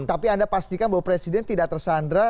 tapi anda pastikan bahwa presiden tidak tersandra